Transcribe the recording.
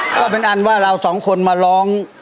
ก็เป็นอันว่าเราสองคนมาร้อง